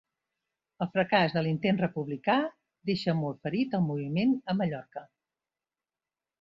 El fracàs de l'intent republicà deixà molt ferit el moviment a Mallorca.